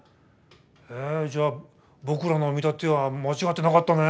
じゃあ僕らの見立ては間違ってなかったね！